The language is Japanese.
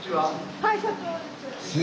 ・はい社長です。